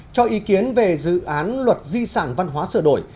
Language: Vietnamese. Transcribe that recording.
cho ý kiến về dự án luật di sản văn hóa sửa đổi